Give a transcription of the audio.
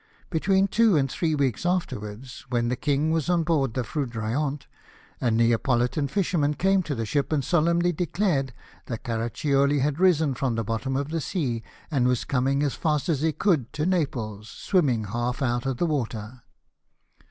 Between two and three weeks afterwards, when the king was on board, the Foudroyant, a Neapolitan fisherman came to the ship and solemnly declared that Caraccioli had risen from the bottom of the sea, and was coming as fast as he could to Naples, swimming half out of the water.